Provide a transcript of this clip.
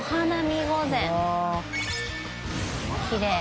きれい。